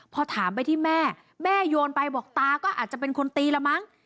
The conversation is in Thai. พอถามไปที่แม่แม่โยนไปบอกตาก็อาจจะเป็นคนตีละมั้ง